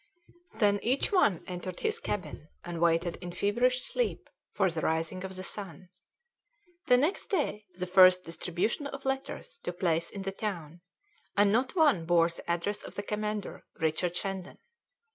Then each one entered his cabin, and waited in feverish sleep for the rising of the sun. The next day the first distribution of letters took place in the town, and not one bore the address of the commander, Richard Shandon.